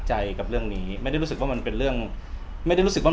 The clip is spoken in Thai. ยังยื้อมาจนยื้อสิ่งขาด